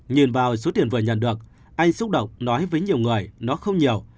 nhìn vào số tiền vừa nhận được anh xúc động nói với nhiều người nó không nhiều